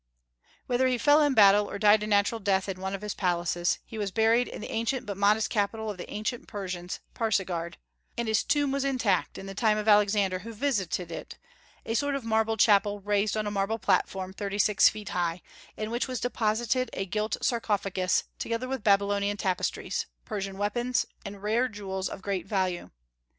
'" Whether he fell in battle, or died a natural death in one of his palaces, he was buried in the ancient but modest capital of the ancient Persians, Pasargadae; and his tomb was intact in the time of Alexander, who visited it, a sort of marble chapel raised on a marble platform thirty six feet high, in which was deposited a gilt sarcophagus, together with Babylonian tapestries, Persian weapons, and rare jewels of great value.